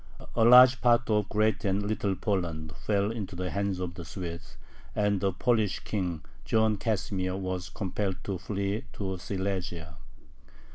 A large part of Great and Little Poland fell into the hands of the Swedes, and the Polish King, John Casimir, was compelled to flee to Silesia.